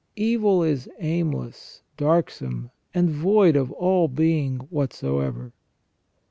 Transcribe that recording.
Evil is aimless, darksome, and void of all being whatsoever."